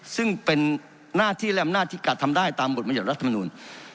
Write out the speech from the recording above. ซึ่งเป็นหน้าที่และอำนาจที่กัดทำได้ตามบทบรรยัติรัฐมนูล